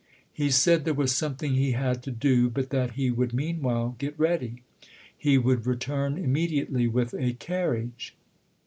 " He said there was something he had to do, but that he would meanwhile get ready. He would return immediately with a carriage."